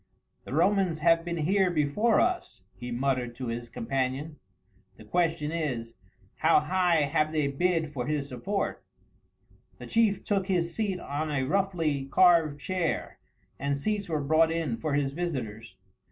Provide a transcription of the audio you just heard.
"The Romans have been here before us," he muttered to his companion; "the question is, how high have they bid for his support." The chief took his seat on a roughly carved chair, and seats were brought in for his visitors.